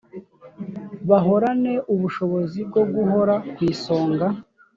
bahorane ubushobozi bwo guhora ku isonga